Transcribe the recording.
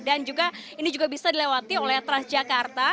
juga ini juga bisa dilewati oleh transjakarta